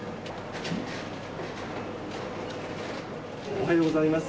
おはようございます。